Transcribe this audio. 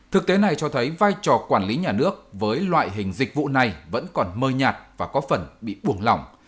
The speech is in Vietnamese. thực tế này cho thấy vai trò quản lý nhà nước với loại hình dịch vụ này vẫn còn mơ nhạt và có phần bị buồn lỏng